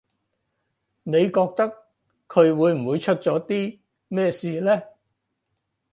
你覺得佢會唔會出咗啲咩事呢